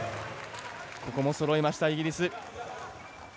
ここもそろえました、イギリス。